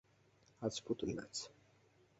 আজ পুতুল নাচ।